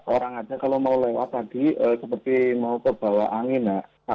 orang ada kalau mau lewat tadi seperti mau ke bawah angin ya